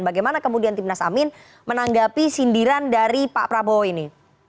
bagaimana kemudian timnas amin menanggapi sindiran dari pak prabowo ini